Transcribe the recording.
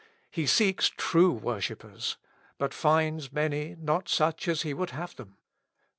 He seeks true worshippers, but finds many not such as he would have them.